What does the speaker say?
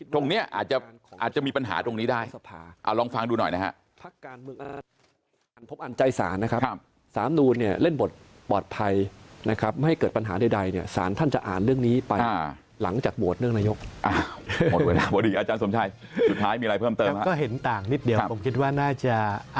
ตรงนี้อาจจะมีปัญหาตรงนี้ได้ลองฟังดูหน่อยนะฮะ